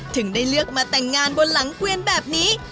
ถึงได้เลือกมาแต่งงานบนหลังเกวียนแบบนี้